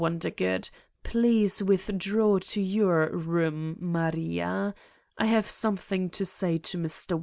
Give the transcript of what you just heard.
Please withdraw to your room Maria, I have something to say to Mr. "Wondergood.